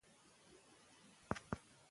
درس په پښتو تدریس کېږي.